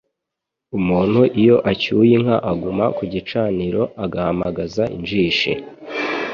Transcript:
Umuntu iyo acyuye inka aguma ku gicaniro, agahamagaza injishi